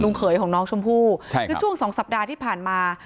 เขยของน้องชมพู่ใช่คือช่วงสองสัปดาห์ที่ผ่านมา